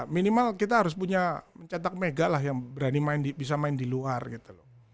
minimal kita harus punya mencetak mega lah yang berani bisa main di luar gitu loh